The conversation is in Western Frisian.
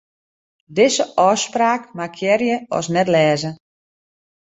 Dizze ôfspraak markearje as net-lêzen.